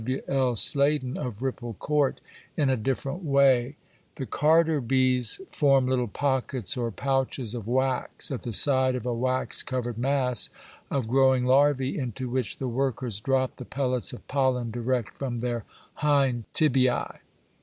W. L. Sladen, of Ripple Court, in a different way. The carder bees "form little pockets or pouches of wax at the side of a wax covered mass of growing larvæ into which the workers drop the pellets of pollen direct from their hind tibiæ.